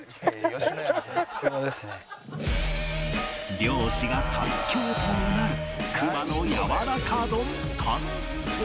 猟師が最強とうなる熊の柔らか丼完成